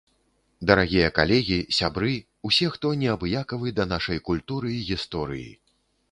Дарагія калегі, сябры, усе, хто не абыякавы да нашай культуры і гісторыі!